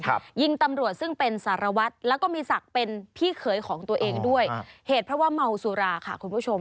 ยิงตำรวจซึ่งเป็นสารวัตรแล้วก็มีศักดิ์เป็นพี่เขยของตัวเองด้วยครับเหตุเพราะว่าเมาสุราค่ะคุณผู้ชม